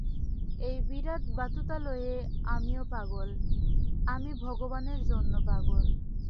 এই বিরাট বাতুতালয়ে আমিও পাগল, আমি ভগবানের জন্য পাগল।